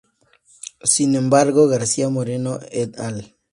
Sin embargo, García Moreno et al.